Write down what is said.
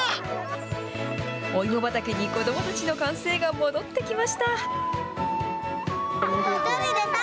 お芋畑に子どもたちの歓声が戻ってきました。